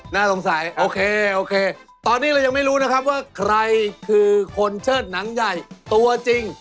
น่าสงสัยโอเคโอเคตอนนี้เรายังไม่รู้นะครับว่าใครคือคนเชิดหนังใหญ่ตัวจริง